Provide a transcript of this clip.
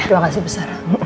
terima kasih besara